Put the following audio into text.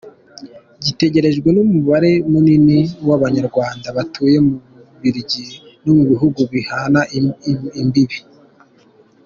Gitegerejwe n’umubare munini w’Abanyarwanda batuye mu Bubiligi no mu bihugu bihana imbibe.